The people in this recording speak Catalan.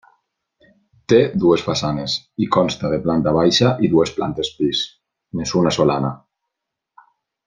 Té dues façanes i consta de planta baixa i dues plantes pis, més una solana.